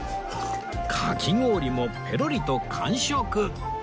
かき氷もペロリと完食